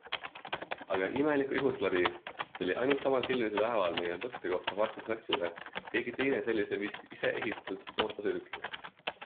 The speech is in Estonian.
Aga imeliku juhuse läbi tuli ainult samal filmimise päeval meie võttekohta parkimisplatsile keegi teine sellise vist iseehitatud mootorsõidukiga.